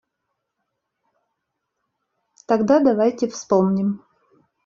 Тогда давайте вспомним.